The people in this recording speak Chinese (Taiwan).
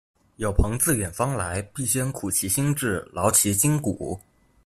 有朋自遠方來，必先苦其心志，勞其筋骨